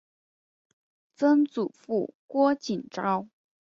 曾祖父郭景昭。